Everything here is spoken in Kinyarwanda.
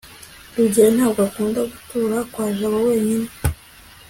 rugeyo ntabwo akunda gutura kwa jabo wenyine